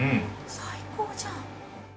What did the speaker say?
最高じゃん。